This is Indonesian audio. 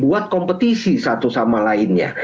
buat kompetisi satu sama lainnya